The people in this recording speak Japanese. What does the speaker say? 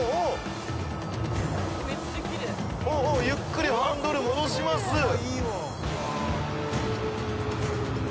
ゆっくりハンドル戻します。